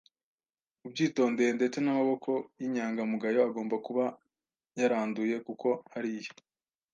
ubyitondeye. Ndetse n'amaboko y'inyangamugayo agomba kuba yaranduye, kuko hariya